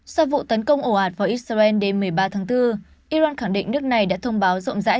sau vụ tấn công ồ ạt vào israel đêm một mươi ba tháng bốn iran khẳng định nước này đã thông báo rộng rãi